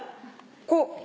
こう？